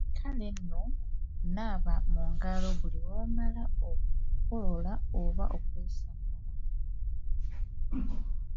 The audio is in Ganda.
Kale nno naaba mu ngalo buli lw’omala okukolola oba okwasimula.